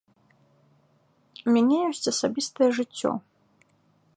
У мяне ёсць асабістае жыццё.